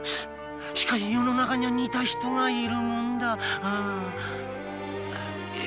しかし世の中には似た人が居るもんだな。